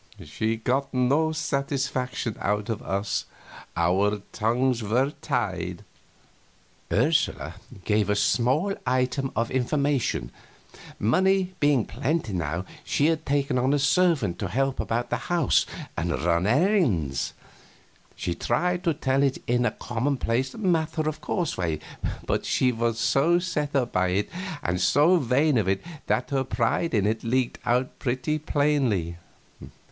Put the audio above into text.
She got no satisfaction out of us, our tongues being tied. [Illustration: MARGET WAS CHEERFUL BY HELP OF WILHELM MEIDLING] Ursula gave us a small item of information: money being plenty now, she had taken on a servant to help about the house and run errands. She tried to tell it in a commonplace, matter of course way, but she was so set up by it and so vain of it that her pride in it leaked out pretty plainly.